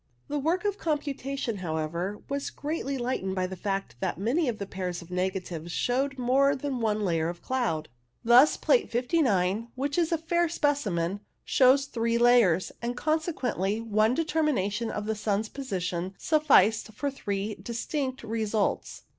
The work of computation, however, was greatly lightened by the fact that many of the pairs of negatives showed more than one layer of cloud ; thus Plate 59, which is a fair specimen, shows three layers, and, consequently, one determination of the sun's position sufficed for three distinct results.